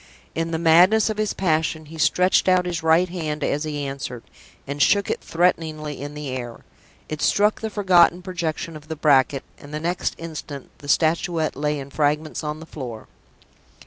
In the madness of his passion, he stretched out his right hand as he answered, and shook it threateningly in the air. It struck the forgotten projection of the bracket and the next instant the Statuette lay in fragments on the floor.